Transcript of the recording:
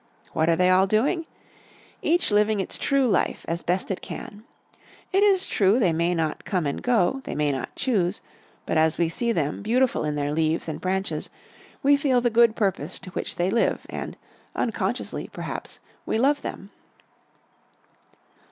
What are they all doing? Each living its true life, as best it can. It is true they may not come and go, they may not choose, but as we see them, beautiful in their leaves and branches we feel the good purpose to which they live and, unconsciously, perhaps, we love them.